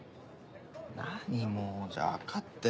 何もうじゃあ分かったよ